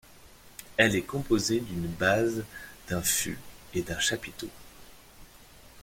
Elle est composée d'une base, d'un fût et d'un chapiteau.